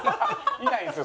いないんですよ